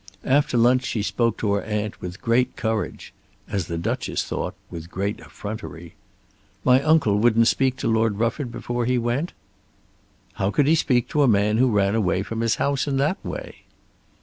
After lunch she spoke to her aunt with great courage, as the Duchess thought with great effrontery. "My uncle wouldn't speak to Lord Rufford before he went?" "How could he speak to a man who ran away from his house in that way?"